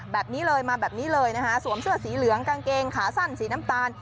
แบบนี้เลยมาแบบนี้เลยนะคะสวมเสื้อสีเหลืองกางเกงขาสั้นสีน้ำตาล